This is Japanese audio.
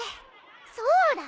そうだっ！